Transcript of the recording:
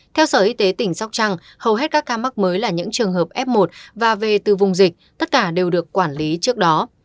theo sở y tế tỉnh sóc trăng hầu hết các ca mắc mới là những trường hợp f một và về từ vùng dịch tất cả đều được quản lý trước đó